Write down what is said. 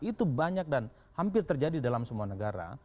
itu banyak dan hampir terjadi dalam semua negara